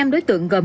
năm đối tượng gồm